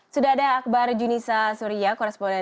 sudah ada akbar junisa surya koresponden